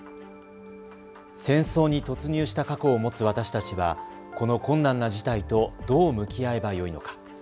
戦争に突入した過去を持つ私たちはこの困難な事態とどう向き合えばよいのか。